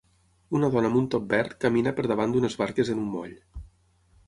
Una dona amb un top verd camina per davant d'unes barques en un moll.